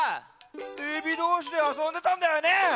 エビどうしであそんでたんだよね！